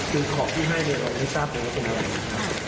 คือของที่ให้เราก็ไม่ทราบเลยว่าเป็นอะไร